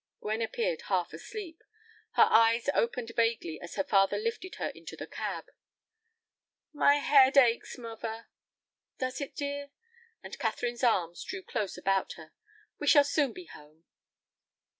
Gwen appeared half asleep. Her eyes opened vaguely as her father lifted her into the cab. "My head aches, muvver." "Does it, dear?" and Catherine's arms drew close about her; "we shall soon be home."